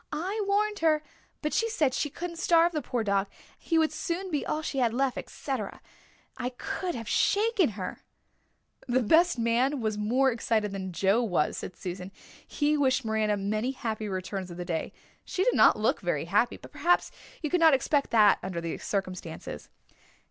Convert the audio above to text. "I warned her but she said she couldn't starve the poor dog he would soon be all she had left, etc. I could have shaken her." "The best man was more excited than Joe was," said Susan. "He wished Miranda many happy returns of the day. She did not look very happy, but perhaps you could not expect that under the circumstances."